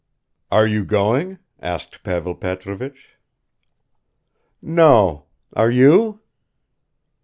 "Are you going?" asked Pavel Petrovich. "No. Are you?"